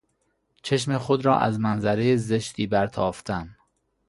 چشم خود را از منظره زشتی برتافتن